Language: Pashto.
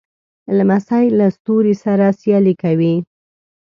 لمسی له ستوري سره سیالي کوي.